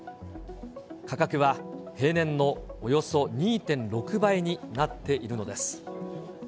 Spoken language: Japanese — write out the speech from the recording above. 価格は平年のおよそ２．６倍になっているのです。